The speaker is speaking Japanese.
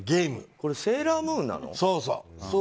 髪はセーラームーンなの？